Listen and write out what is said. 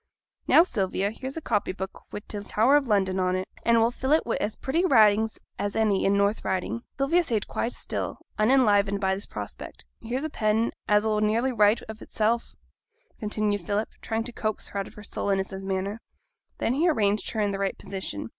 'Now, Sylvia, here's a copy book wi' t' Tower o' London on it, and we'll fill it wi' as pretty writing as any in t' North Riding.' Sylvia sate quite still, unenlivened by this prospect. 'Here's a pen as 'll nearly write of itsel',' continued Philip, still trying to coax her out her sullenness of manner. Then he arranged her in the right position.